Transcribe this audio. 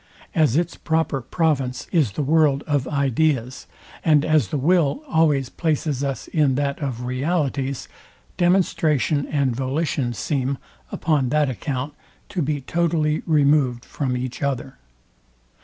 As its proper province is the world of ideas, and as the will always places us in that of realities, demonstration and volition seem, upon that account, to be totally removed, from each other.